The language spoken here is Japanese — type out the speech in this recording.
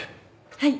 はい。